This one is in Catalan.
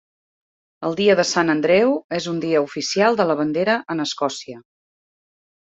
El Dia de Sant Andreu és un dia oficial de la bandera en Escòcia.